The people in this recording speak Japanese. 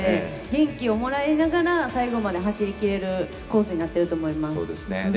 沿道の方がすごくパワフルなので元気をもらいながら最後まで走りきれるコースになっていると思います。